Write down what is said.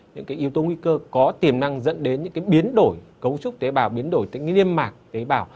những cái yếu tố nguy cơ có tiềm năng dẫn đến những biến đổi cấu trúc tế bào biến đổi tính liêm mạc tế bào